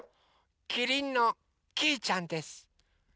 キリンのきいちゃんです。